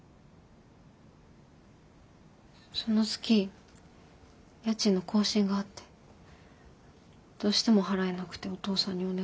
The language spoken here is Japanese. その月家賃の更新があってどうしても払えなくてお父さんにお願いした。